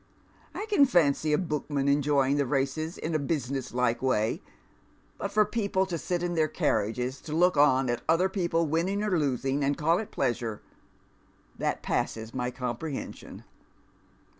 I can fancy a bookman enjoying the races in a business like way ; but for people to sit in their carriages to look on at other people winning or losing, and call it pleasure, that passes my comprehension."